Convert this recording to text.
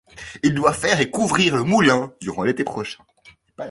Il doit faire et couvrir le moulin durant l'été prochain.